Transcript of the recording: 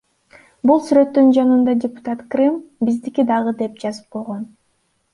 Бул сүрөттүн жанында депутат Крым — биздики дагы деп жазып койгон.